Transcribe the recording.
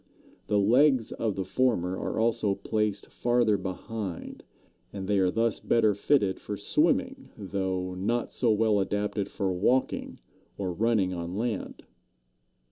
The legs of the former are also placed farther behind, and they are thus better fitted for swimming, though not so well adapted for walking or running on land.